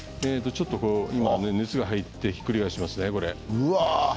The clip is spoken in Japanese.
熱が入ってひっくり返しますね。